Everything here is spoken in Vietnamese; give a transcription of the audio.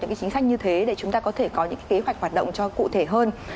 những chính sách như thế để chúng ta có thể có những kế hoạch hoạt động cho cụ thể hơn